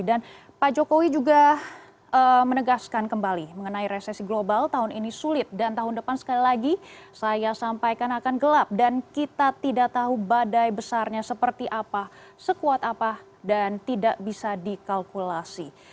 dan pak jokowi juga menegaskan kembali mengenai resesi global tahun ini sulit dan tahun depan sekali lagi saya sampaikan akan gelap dan kita tidak tahu badai besarnya seperti apa sekuat apa dan tidak bisa dikalkulasi